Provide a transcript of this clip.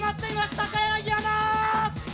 高柳アナー！